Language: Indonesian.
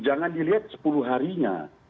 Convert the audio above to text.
jangan dilihat sepuluh harinya